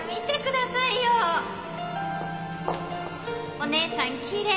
お姉さん奇麗